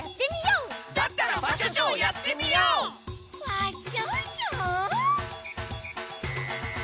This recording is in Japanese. ファッションショー？